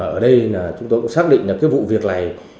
ở đây chúng tôi xác định vụ việc này